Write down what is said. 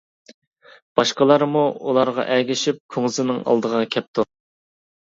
باشقىلارمۇ ئۇلارغا ئەگىشىپ كۇڭزىنىڭ ئالدىغا كەپتۇ.